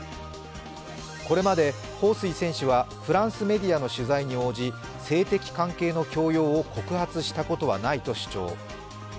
これまで彭帥選手はフランスメディアの取材に応じ性的関係の強要を告発したことはないと主張。